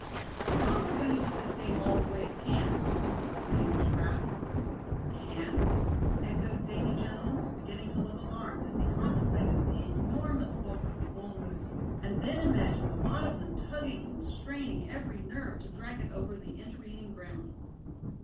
"How're we goin' to get this game all the way to camp?" demanded Giraffe. "Camp?" echoed Davy Jones, beginning to look alarmed, as he contemplated the enormous bulk of the bull moose, and then imagined the lot of them tugging and straining every nerve to drag it over the intervening ground.